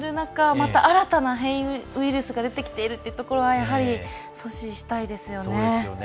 また、新たな変異ウイルスが出てきているっていうことがやはり、阻止したいですよね。